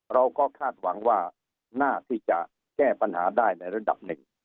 เราก็คาดหวังว่าหน้าที่จะแก้ปัญหาได้ในระดับหนึ่ง